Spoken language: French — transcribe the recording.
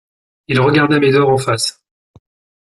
Il regarda Médor en face.